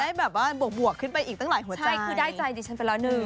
ได้แบบว่าบวกบวกขึ้นไปอีกตั้งหลายหัวใจคือได้ใจติดชนฟันละหนึ่ง